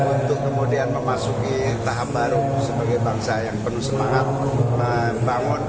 untuk kemudian memasuki tahap baru sebagai bangsa yang penuh semangat membangun